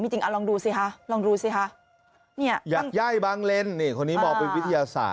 มีจริงทุกวันนี้ติดตา